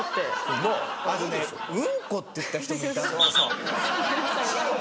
あとね「うんこ」って言った人もいたの。